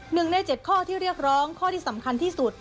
หนึ่งใน๗ข้อที่เรียกร้องข้อที่สำคัญที่สุด